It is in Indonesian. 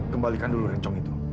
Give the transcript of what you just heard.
kembalikan dulu rencong itu